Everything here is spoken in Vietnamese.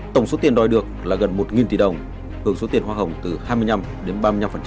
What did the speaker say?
tổng số tiền đòi được là gần một tỷ đồng hưởng số tiền hoa hồng từ hai mươi năm đến ba mươi năm